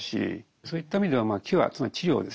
そういった意味ではキュアつまり治療ですよね